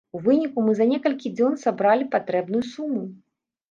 У выніку мы за некалькі дзён сабралі патрэбную суму.